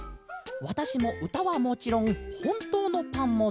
わたしもうたはもちろんほんとうのパンもだいすきです。